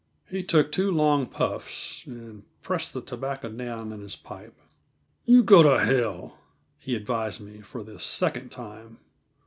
He took two long puffs, and pressed the tobacco down in his pipe. "You go to hell," he advised me for the second time.